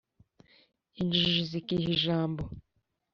injiji zikiha ijabo